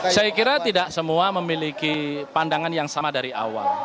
saya kira tidak semua memiliki pandangan yang sama dari awal